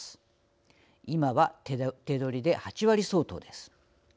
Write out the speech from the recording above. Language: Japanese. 今は手取りで８割相当です。